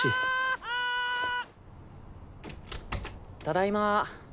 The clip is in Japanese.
ただいま。